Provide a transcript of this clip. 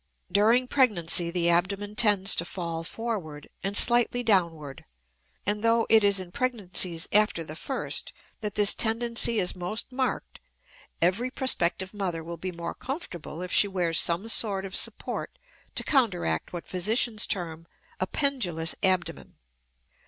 During pregnancy the abdomen tends to fall forward and slightly downward, and though it is in pregnancies after the first that this tendency is most marked, every prospective mother will be more comfortable if she wears some sort of support to counteract what physicians term a "pendulous abdomen."